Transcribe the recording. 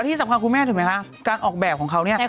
ที่สำคัญคุณแม่ถูกไหมคะการออกแบบของเขาเนี่ย